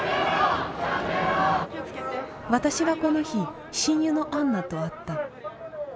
私はこの日親友のアンナと会った。